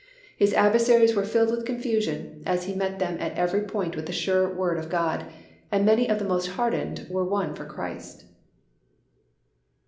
His adversaries were filled with confusion, as he met them at every point with the sure Word of God, and many of the most hardened were won for Christ.